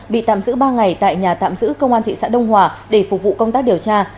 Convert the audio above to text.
bị tạm giữ ba ngày tại nhà tạm giữ công an thị xã đông hòa để phục vụ công tác điều tra